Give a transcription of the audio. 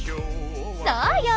そうよ！